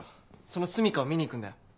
そのすみかを見に行くんだよ。